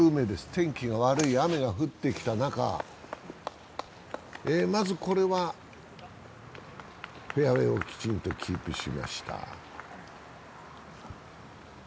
天気が悪い、雨が降ってきた中、まずこれはフェアウエーをきちんとキープしました。